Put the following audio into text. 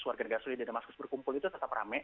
warga negara sulit di damascus berkumpul itu tetap rame